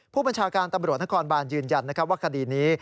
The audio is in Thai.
ผู้บัญชาการตำรวจนครบานยืนยันว่าคดีนี้